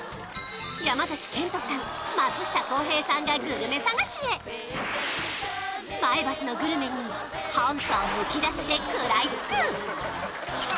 山賢人さん松下洸平さんがグルメ探しへ前橋のグルメに本性むき出しで食らいつく！